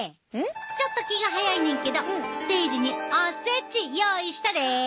ちょっと気が早いねんけどステージにおせち用意したで！